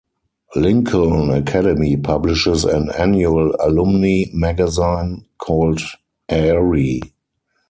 Lincoln Academy publishes an annual alumni magazine called Aerie.